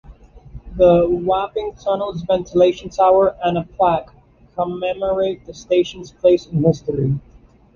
The Wapping Tunnel's ventilation tower and a plaque commemorate the station's place in history.